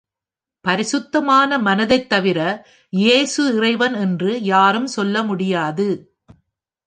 பரிசுத்த மனதைத் தவிர 'இயேசு இறைவன்' என்று யாரும் சொல்ல முடியாது.